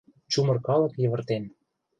Чумыр калык йывыртен